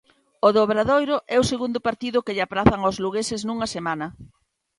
O do Obradoiro é o segundo partido que lle aprazan aos lugueses nunha semana.